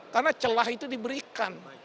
karena celah itu diberikan